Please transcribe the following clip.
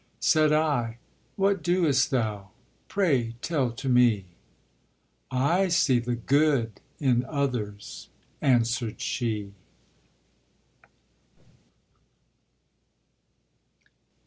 Said I, "What doest thou, pray, tell to me!" "I see the good in others," answered she.